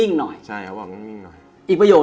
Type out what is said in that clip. มันไหวป่าววะ